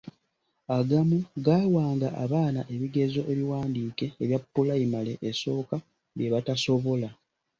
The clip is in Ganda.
Agamu gaawanga abaana ebigezo ebiwandiike ebya pulayimale esooka bye batasobola.